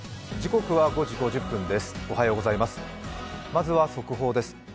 まずは速報です。